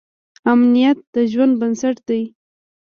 امنیت د ژوند بنسټ دی.